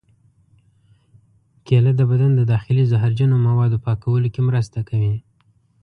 کېله د بدن د داخلي زهرجنو موادو پاکولو کې مرسته کوي.